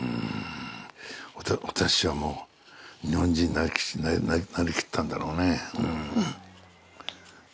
私はもう日本人になりきったんだろうね。